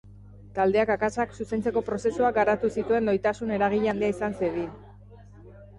Taldeak akatsak zuzentzeko prozesuak garatu zituen, doitasun eragilea handia izan zedin.